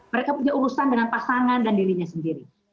mereka punya urusan dengan pasangan dan dirinya sendiri